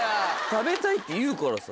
食べたいって言うからさ。